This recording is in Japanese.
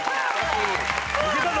抜けたぞ。